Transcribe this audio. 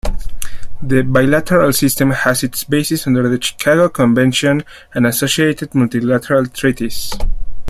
The bilateral system has its basis under the Chicago convention and associated multilateral treaties.